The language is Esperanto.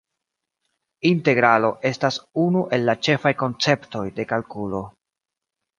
Integralo estas unu el la ĉefaj konceptoj de kalkulo.